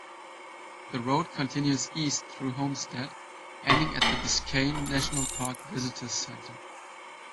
The road continues east through Homestead, ending at the Biscayne National Park visitors center.